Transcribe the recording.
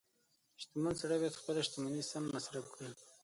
• شتمن سړی باید خپله شتمني سم مصرف کړي.